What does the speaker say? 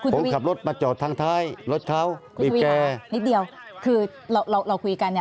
ผมขับรถมาจอดทางท้ายรถเท้าอีกแก่คุณทวีค่ะนิดเดียวคือเราเราเราคุยกันเนี้ย